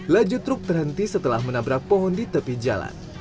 laju truk terhenti setelah menabrak pohon di tepi jalan